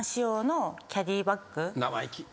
生意気。